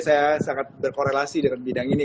saya sangat berkorelasi dengan bidang ini